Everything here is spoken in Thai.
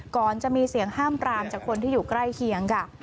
ก่อนจะมีเสียงห้ามปรามจากคนที่อยู่ใกล้เคียงค่ะ